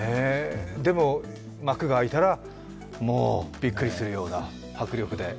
でも幕が開いたらもうびっくりするような迫力で。